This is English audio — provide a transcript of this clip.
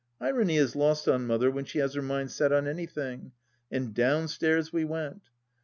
Irony is lost on Mother when she has her mind set on anything, and down stairs we went.